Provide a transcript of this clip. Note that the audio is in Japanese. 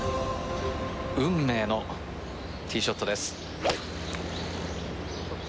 運命のティーショットです。